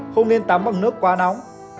không nên tắm bằng nước quá nóng